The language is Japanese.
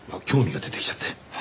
興味が出てきちゃって。